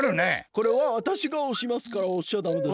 これはわたしがおしますからおしちゃダメです。